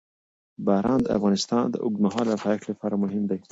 باران د افغانستان د اوږدمهاله پایښت لپاره مهم دی.